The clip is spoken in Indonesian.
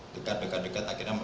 dekat dekat dekat akhirnya